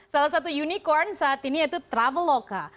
salah satu unicorn saat ini yaitu traveloka